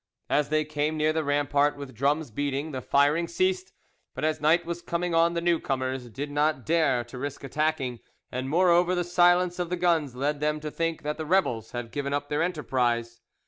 As they came near the rampart with drums beating, the firing ceased, but as night was coming on the new comers did not dare to risk attacking, and moreover the silence of the guns led them to think that the rebels had given up their enterprise.